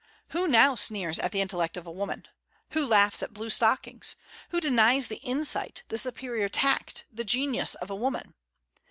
Who now sneers at the intellect of a woman? Who laughs at blue stockings? Who denies the insight, the superior tact, the genius of woman?